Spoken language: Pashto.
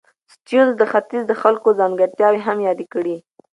سټيونز د ختیځ د خلکو ځانګړتیاوې هم یادې کړې.